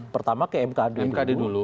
pertama ke mkd dulu